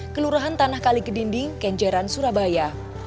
kelurahan tanah kali kedinding kenjeran surabaya